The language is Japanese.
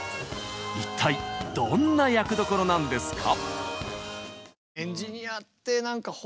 一体どんな役どころなんですか？